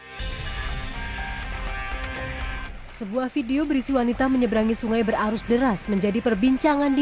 hai sebuah video berisi wanita menyeberangi sungai berarus deras menjadi perbincangan di